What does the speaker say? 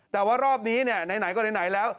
แต่ว่ารอบนี้ไหนก็ไหนแล้ว